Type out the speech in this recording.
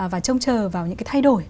và trông chờ vào những cái thay đổi